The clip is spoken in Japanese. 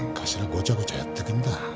ごちゃごちゃやってくんだ